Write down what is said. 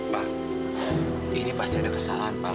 pak ini pasti ada kesalahan pak